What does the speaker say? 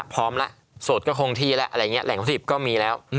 พร้อมละโสดก็คงทีแล้วแหล่งพฤติก็มีแล้ว